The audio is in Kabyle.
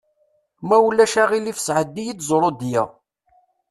Ma ulac aɣilif sɛeddi-yi-d ẓrudya.